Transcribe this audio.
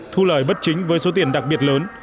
thu lời bất chính với số tiền đặc biệt lớn